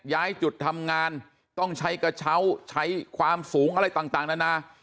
ย้ายจุดทำงานต้องใช้กระเช้าใช้ความสูงอะไรต่างนานา